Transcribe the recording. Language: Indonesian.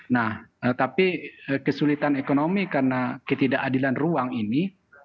nah tapi kesulitan ekonomi karena ketidakadilan ruang ini